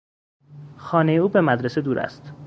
خانهٔ او به مدرسه دور است.